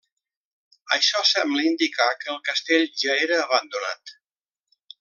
Això sembla indicar que el castell ja era abandonat.